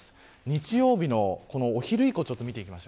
日曜日のお昼以降を見ていきます。